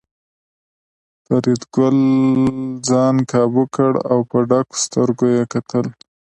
فریدګل ځان کابو کړ او په ډکو سترګو یې کتل